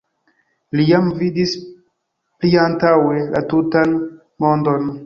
Li jam vidis pliantaŭe la tutan mondon.